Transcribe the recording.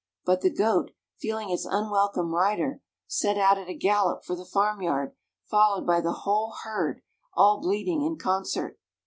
But the goat, feeling its unwelcome rider, set out at a gallop for the farm yard, followed by the whole herd, all bleating in concert.